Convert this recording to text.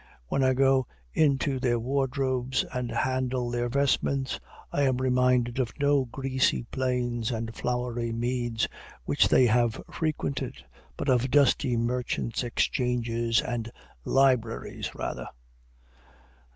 When I go into their wardrobes and handle their vestments, I am reminded of no grassy plains and flowery meads which they have frequented, but of dusty merchants' exchanges and libraries rather.